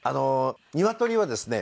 ニワトリはですね